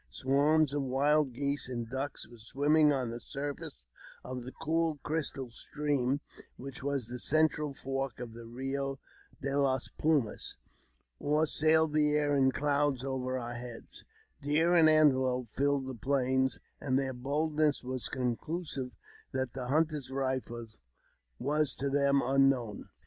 Swarms of wild geese and ducks were swimming on the surface of the cool crystal stream, which was the central fork of the 3io de las Plumas, or sailed the air in clouds over our headsl JDeer and antelope filled the j plains, and their boldness was conclusive that the hunter's rifle was to them unknown.